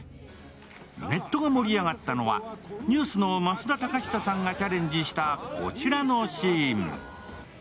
ネットが盛り上がったのはＮＥＷＳの増田貴久さんがチャレンジしたこちらのシーン。